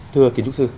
thưa kiến trúc sư